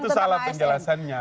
di situ salah penjelasannya